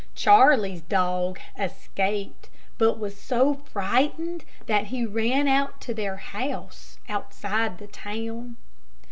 Charley's dog escaped, but was so frightened that he ran out to their house, outside the town.